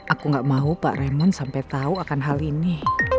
aku gak mau pak remon sampai tahu akan hal ini